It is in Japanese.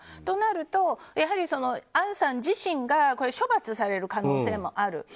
となると、アンさん自身が処罰される可能性もある。